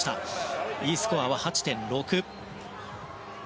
Ｅスコアは８．６。